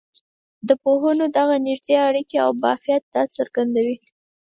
د پوهنو دغه نږدې اړیکي او بافت دا څرګندوي.